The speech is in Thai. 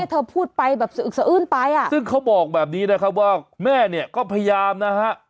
เธอพูดไปแบบสะอึกสะอื้นไปอ่ะซึ่งเขาบอกแบบนี้นะครับว่าแม่เนี่ยก็พยายามนะฮะ